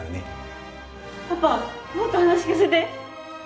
パパもっと話を聞かせて！